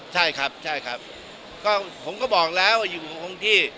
ใช่ครับใช่ครับก็ผมก็บอกแล้วอยู่คงที่